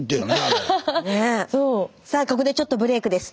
さあここでちょっとブレークです。